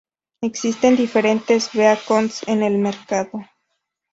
Existen diferentes beacons en el mercado.